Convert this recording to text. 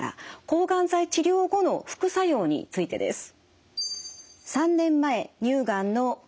抗がん剤治療後の副作用についてです。